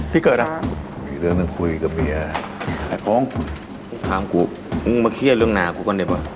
พี่เกิดอ่ะอีกเรื่องหนึ่งคุยกับเมียขายของถามกูมึงมาเครียดเรื่องนากูก่อนดีกว่า